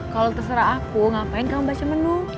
kalau terserah aku ngapain kamu baca menu